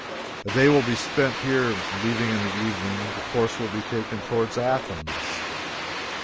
A day will be spent here, and leaving in the evening, the course will be taken towards Athens.